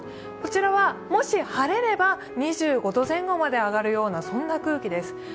こちらはもし、晴れれば２５度前後まで上がるような空気です。